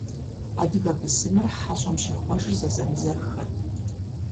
Адыгэ бысымыр хьэщӀэм щихъуэжыр зэзэмызэххэт.